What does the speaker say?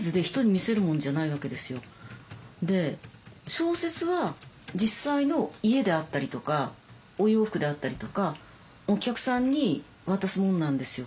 小説は実際の家であったりとかお洋服であったりとかお客さんに渡すものなんですよ。